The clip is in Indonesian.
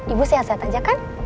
ibu sehat sehat aja kan